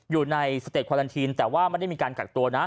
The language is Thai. อยู่ในสเต็คควาลันทีนแต่ว่าไม่ได้มีการกักตัวนะ